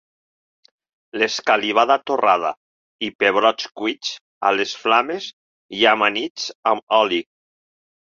L'escalivada torrada i pebrots cuits a les flames i amanits amb oli.